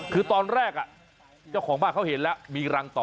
คือตอนแรกเจ้าของบ้านเขาเห็นแล้วมีรังต่อ